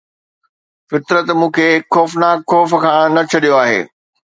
فطرت مون کي هڪ خوفناڪ خوف کان نه ڇڏيو آهي